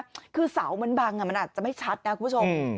คือเสามันบังมันอาจจะไม่ชัดนะคุณผู้ชม